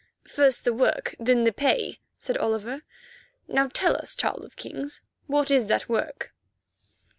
"First the work, then the pay," said Oliver. "Now tell us, Child of Kings, what is that work?"